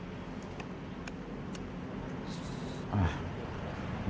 อืม